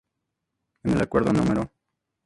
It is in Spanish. En el Acuerdo No.